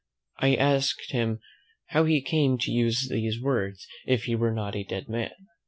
I asked him, "how he came to use these words, if he were not a dead man?"